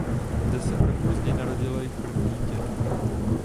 Zde se o rok později narodilo jejich první dítě.